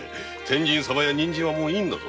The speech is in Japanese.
「天神様や人参」はもういい。